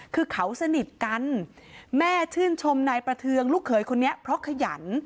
คือเขาสนิทกันแม่ชื่นชมนายประเทืองลูกเขยคนนี้เพราะขยัน